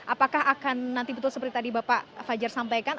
apakah akan nanti betul seperti tadi bapak fajar sampaikan